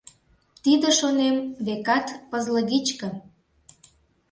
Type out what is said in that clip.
Тиде, шонем, векат пызлыгичке.